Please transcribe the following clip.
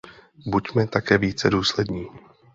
Buďme také více důslední.